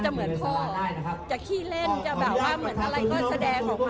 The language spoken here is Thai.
แม่จะเหมือนพ่อ